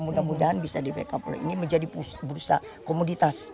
mudah mudahan bisa di backup oleh ini menjadi bursa komoditas